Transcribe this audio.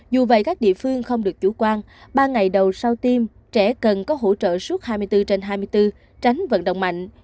dù vậy các địa phương không được chủ quan ba ngày đầu sau tiêm trẻ cần có hỗ trợ suốt hai mươi bốn trên hai mươi bốn tránh vận động mạnh